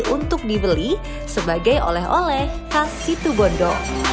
untuk dibeli sebagai oleh oleh kastitubondo